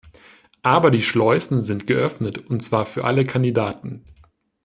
Aber die Schleusen sind geöffnet, und zwar für alle Kandidaten.